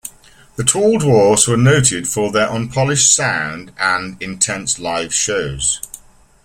The Tall Dwarfs were noted for their unpolished sound and intense live shows.